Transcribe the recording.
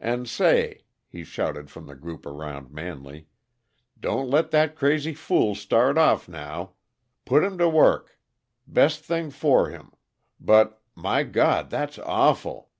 And, say!" he shouted to the group around Manley. "Don't let that crazy fool start off now. Put him to work. Best thing for him. But my God, that's awful!"